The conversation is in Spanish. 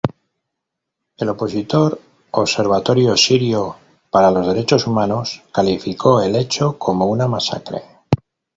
El opositor Observatorio Sirio para los Derechos Humanos calificó el hecho como una masacre.